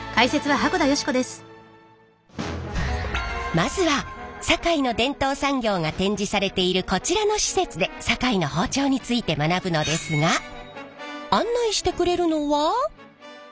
まずは堺の伝統産業が展示されているこちらの施設で堺の包丁について学ぶのですがあっ。